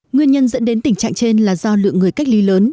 nguyên nhân dẫn đến tình trạng trên là do lượng người cách ly lớn